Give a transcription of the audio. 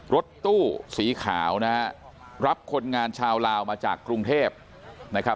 รถตู้สีขาวนะฮะรับคนงานชาวลาวมาจากกรุงเทพนะครับ